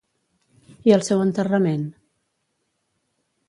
I el seu enterrament?